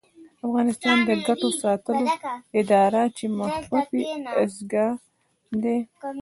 افغانستان د ګټو ساتلو اداره چې مخفف یې اګسا دی